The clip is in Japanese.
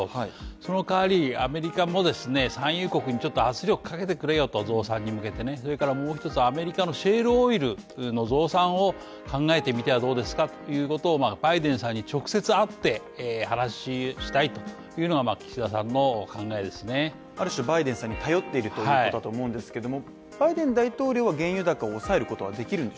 その代わりアメリカも産油国にちょっと圧力かけてくれよと増産に向けてそれからもう一つアメリカのシェールオイルの増産を考えてみてはどうですかということをバイデンさんに直接会って話をしたいというのがある種バイデンさんに頼っていると思うんですけども。